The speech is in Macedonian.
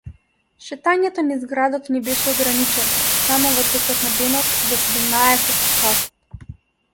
Шетањето низ градот ни беше ограничено само во текот на денот до седумнаесет часот.